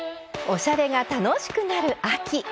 おしゃれが楽しくなる秋。